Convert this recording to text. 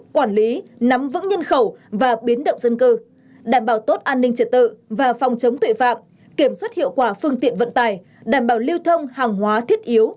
quản lý nắm vững nhân khẩu và biến động dân cư đảm bảo tốt an ninh trật tự và phòng chống tội phạm kiểm soát hiệu quả phương tiện vận tải đảm bảo lưu thông hàng hóa thiết yếu